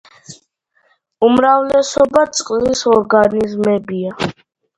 უმრავლესობა წყლის ორგანიზმებია.